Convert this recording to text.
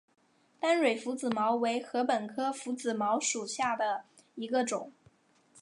单蕊拂子茅为禾本科拂子茅属下的一个种。